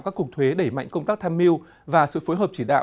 các cục thuế đẩy mạnh công tác tham mưu và sự phối hợp chỉ đạo